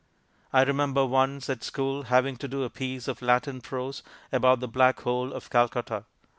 I remember once at school having to do a piece of Latin prose about the Black Hole of Calcutta.